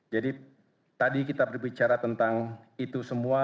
jadi tadi kita berbicara tentang itu semua